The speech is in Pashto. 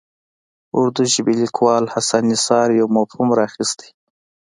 اردو ژبي لیکوال حسن نثار یو مفهوم راخیستی.